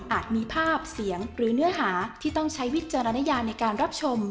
มีภาพเสียงหรือเนื้อหาที่ต้องใช้วิจารณญาในการรับชม